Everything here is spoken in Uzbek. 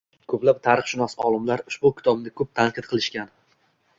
Koʻplab tarixshunos olimlar ushbu kitobni koʻp tanqid qilishgan.